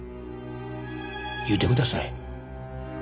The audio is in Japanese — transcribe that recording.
言うてください。